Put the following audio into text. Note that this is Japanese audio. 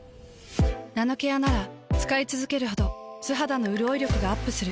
ナノケアなら使いつづけるほど素肌のうるおい力がアップする。